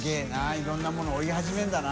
いろんなものを追い始めるんだな。